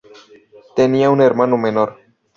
Tenía un hermano menor.